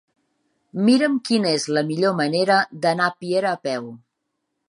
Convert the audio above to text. Mira'm quina és la millor manera d'anar a Piera a peu.